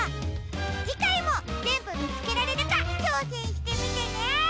じかいもぜんぶみつけられるかちょうせんしてみてね！